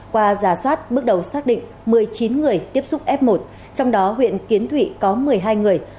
qua giả soát bước đầu xác định một mươi chín người tiếp xúc f một trong đó huyện kiến thụy có một mươi hai người